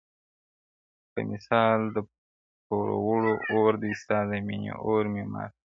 په مِثال د پروړو اور دی ستا د ميني اور و ماته,